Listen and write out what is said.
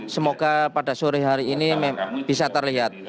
semoga pada sore hari ini bisa terlihat